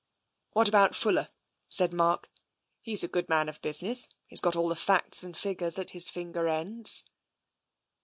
" What about Fuller? " said Mark. " He's a good man of business, and got all the facts and figures at his finger ends."